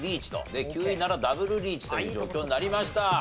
で９位ならダブルリーチという状況になりました。